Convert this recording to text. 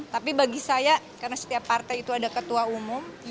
tapi bagi saya karena setiap partai itu ada ketua umum